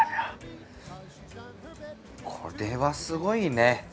これはすごいね。